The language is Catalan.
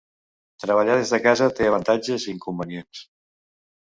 Treballar des de casa té avantatges i inconvenients.